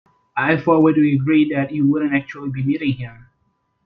I thought we'd agreed that you wouldn't actually be meeting him?